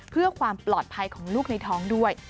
เพื่อความปลอดภัยของลูกในท้องด้วย